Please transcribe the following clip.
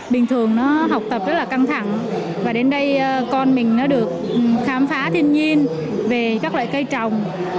bình thường nó học tập rất là căng thẳng và đến đây con mình nó được khám phá thiên nhiên về các loại cây trồng